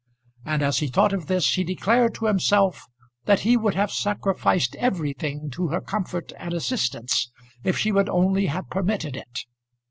And as he thought of this he declared to himself that he would have sacrificed everything to her comfort and assistance if she would only have permitted it.